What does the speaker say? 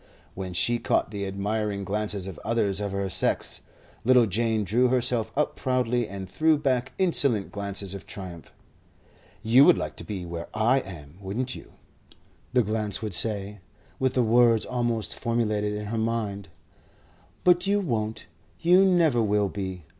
When she caught the admiring glances of others of her sex, little Jane drew herself up proudly and threw back insolent glances of triumph. "You would like to be where I am, wouldn't you?" the glance would say, with the words almost formulated in her mind. "But you won't. You never will be.